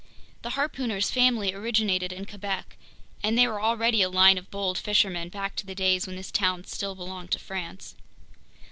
The harpooner's family originated in Quebec, and they were already a line of bold fishermen back in the days when this town still belonged to France.